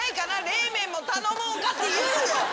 冷麺も頼もうかって言うよ。